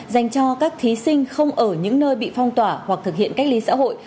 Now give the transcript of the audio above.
dành cho các thí sinh không ở những nơi bị phong tỏa hoặc thực hiện cách ly xã hội